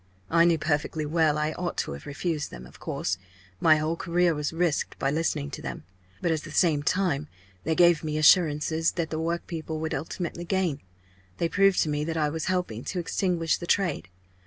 I knew perfectly well I ought to have refused them of course my whole career was risked by listening to them. But at the same time they gave me assurances that the workpeople would ultimately gain they proved to me that I was helping to extinguish the trade.